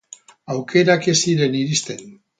Aukerak ez ziren iristen.